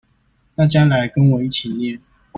大家來跟我一起念